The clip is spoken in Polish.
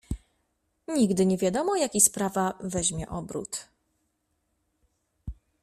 "Nigdy nie wiadomo, jaki sprawa weźmie obrót."